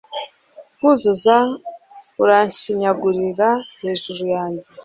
kuzuza uranshinyagurira hejuru yanjye